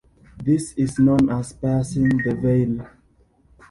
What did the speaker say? This is known as piercing the veil.